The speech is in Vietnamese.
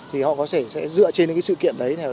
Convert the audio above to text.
thì họ có thể sẽ dựa trên những cái sự kiện đấy